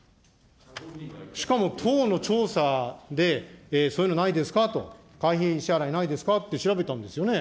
しかも党の調査で、そういうのないですかと、会費支払いないですかって調べたんですよね。